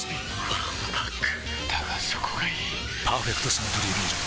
わんぱくだがそこがいい「パーフェクトサントリービール糖質ゼロ」